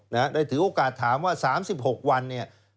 ในระดับถือโอกาสถามว่า๓๖วัน